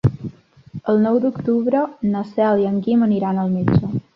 El nou d'octubre na Cel i en Guim aniran al metge.